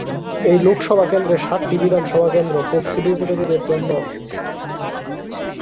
এই লোকসভা কেন্দ্রের সাতটি বিধানসভা কেন্দ্র তফসিলী উপজাতিদের জন্য সংরক্ষিত আসন।